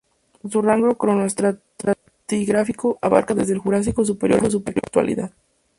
Su rango cronoestratigráfico abarcaba desde el Jurásico superior hasta la Actualidad.